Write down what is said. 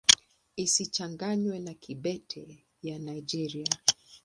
Isichanganywe na Kibete ya Nigeria.